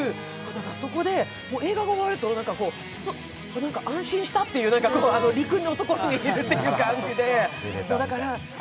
そこで映画が終わると、安心したっていう、陸に戻ってくるっていうかね。